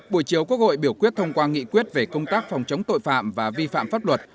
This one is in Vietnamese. buổi chiều quốc hội biểu quyết thông qua nghị quyết về công tác phòng chống tội phạm và vi phạm pháp luật